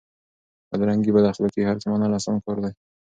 بدرنګي بداخلاق هرڅه منل اسان کار دی؛